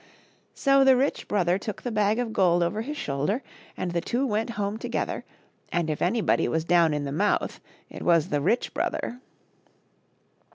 So the rich brother took the bag of gold over his shoulder, and the two went home together ; and if anybody was down in the mouth, it was the rich brother.